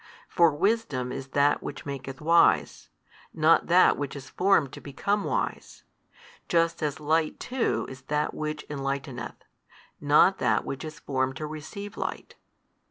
For wisdom is that which maketh wise, not that which is formed to become wise, just as light too is that which enlighteneth, not that which is formed to receive light.